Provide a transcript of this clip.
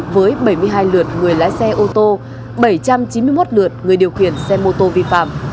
với bảy mươi hai lượt người lái xe ô tô bảy trăm chín mươi một lượt người điều khiển xe mô tô vi phạm